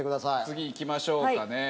次いきましょうかね。